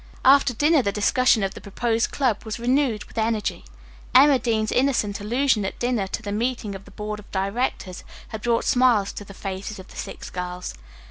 After dinner the discussion of the proposed club was renewed with energy. Emma Dean's innocent allusion at dinner to the meeting of the board of directors had brought smiles to the faces of the six girls.